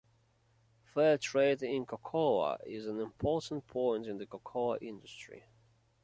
Fair trade in cocoa is an important point in the cocoa industry.